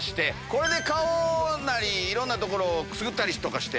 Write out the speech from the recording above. これで顔なりいろんなとこをくすぐったりとかして。